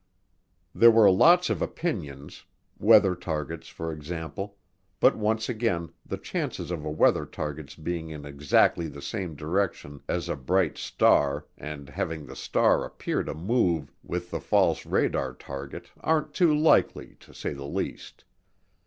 There were lots of opinions, weather targets for example, but once again the chances of a weather target's being in exactly the same direction as a bright star and having the star appear to move with the false radar target aren't too likely to say the least.